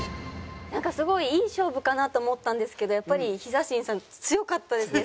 すごいいい勝負かなと思ったんですけどやっぱりヒザ神さん強かったですね。